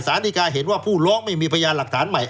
ดีกาเห็นว่าผู้ร้องไม่มีพยานหลักฐานใหม่